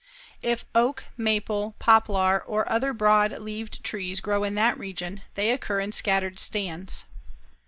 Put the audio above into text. If oak, maple, poplar, or other broad leaved trees grow in that region, they occur in scattered stands.